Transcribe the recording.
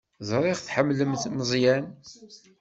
Ẓriɣ tḥemmlemt Meẓyan.